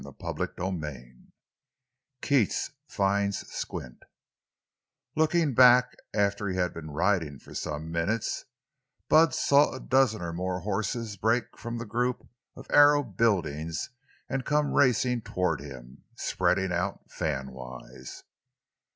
CHAPTER XXVI—KEATS FINDS "SQUINT" Looking back after he had been riding for some minutes, Bud saw a dozen or more horses break from the group of Arrow buildings and come racing toward him, spreading out fanwise.